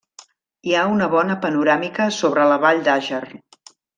Hi ha una bona panoràmica sobre la vall d'Àger.